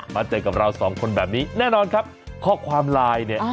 เจอกับเราสองคนแบบนี้แน่นอนครับข้อความไลน์เนี่ย